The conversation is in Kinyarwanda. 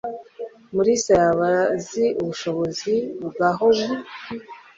Mulisa yaba azi ubushobozi bwa Howie?